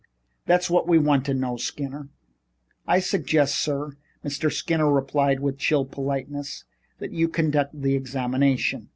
That's what we want to know, Skinner." "I suggest, sir," Mr. Skinner replied with chill politeness, "that you conduct the examination."